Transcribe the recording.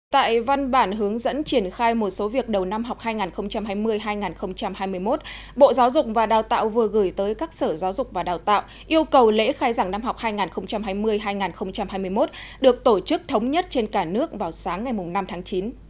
tại văn bản hướng dẫn triển khai một số việc đầu năm học hai nghìn hai mươi hai nghìn hai mươi một bộ giáo dục và đào tạo vừa gửi tới các sở giáo dục và đào tạo yêu cầu lễ khai giảng năm học hai nghìn hai mươi hai nghìn hai mươi một được tổ chức thống nhất trên cả nước vào sáng ngày năm tháng chín